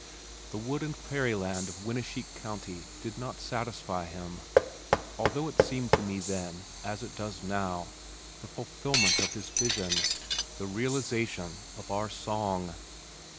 The wood and prairie land of Winnesheik County did not satisfy him, although it seemed to me then, as it does now, the fulfillment of his vision, the realization of our song.